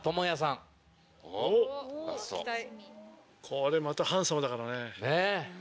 これまたハンサムだからね。ねぇ。